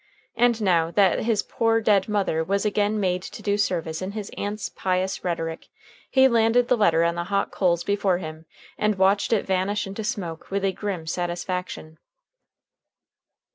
And now that his poor, dead mother was again made to do service in his aunt's pious rhetoric, he landed the letter on the hot coals before him, and watched it vanish into smoke with a grim satisfaction.